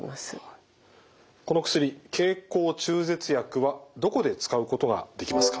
この薬経口中絶薬はどこで使うことができますか？